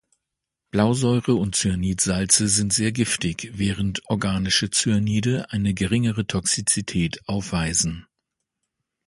Blausäure und Cyanid-Salze sind sehr giftig, während organische Cyanide eine geringere Toxizität aufweisen.